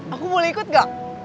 aku boleh ikut gak